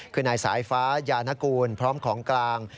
คือนายสายฟ้ายานกูลพร้อมของกลาง